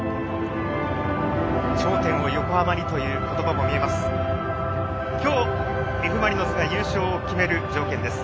「頂点を横浜に」という言葉も見えます。